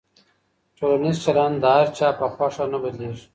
ټولنیز چلند د هر چا په خوښه نه بدلېږي.